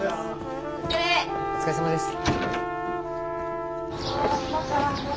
お疲れさまです。